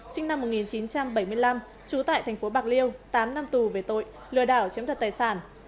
sinh năm một nghìn chín trăm bảy mươi năm trú tại thành phố bạc liêu tám năm tù về tội lừa đảo chiếm đoạt tài sản